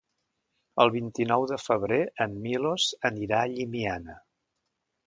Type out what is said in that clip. El vint-i-nou de febrer en Milos anirà a Llimiana.